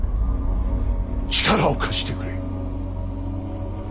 力を貸してくれ。